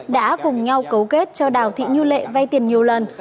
đã cùng nhau cấu kết cho đào thị như lệ vay tiền nhiều lần